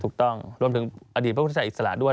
ถูกต้องรวมถึงอดีตพระพุทธอิสระด้วย